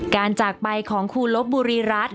จากไปของครูลบบุรีรัฐ